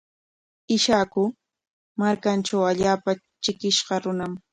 Ishaku markantraw allaapa trikishqa runam.